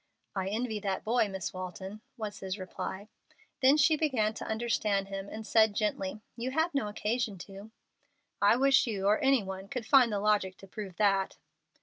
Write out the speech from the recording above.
"I envy that boy, Miss Walton," was his reply. Then she began to understand him, and said, gently, "You have no occasion to." "I wish you, or any one, could find the logic to prove that."